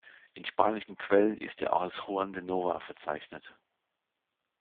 In spanischen Quellen ist er auch als "Juan de Nova" verzeichnet.